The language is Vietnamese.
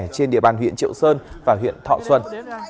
trên địa bàn huyện triệu sơn và huyện thọ xuân